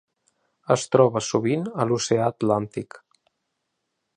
Es troba sovint a l'oceà Atlàntic.